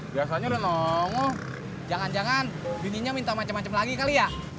biasanya udah nongol jangan jangan binginya minta macem macem lagi kali ya